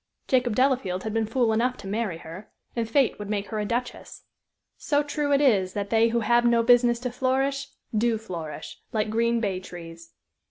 Jacob Delafield had been fool enough to marry her, and fate would make her a duchess. So true it is that they who have no business to flourish do flourish, like green bay trees.